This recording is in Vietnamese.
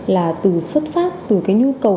là từ xuất phát từ cái nhu cầu